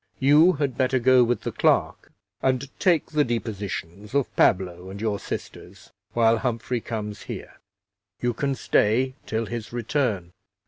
You had better go with the clerk and take the depositions of Pablo and your sisters, while Humphrey comes here. You can stay till his return.